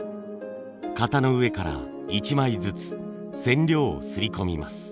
型の上から一枚ずつ染料を刷り込みます。